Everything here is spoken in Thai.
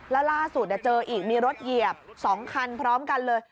แล้วล่าสุดเจออีกมีรถเหยียบ๒คันพร้อมกันเลย